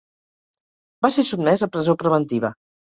Va ser sotmès a presó preventiva.